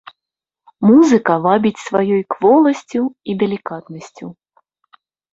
Музыка вабіць сваёй кволасцю і далікатнасцю.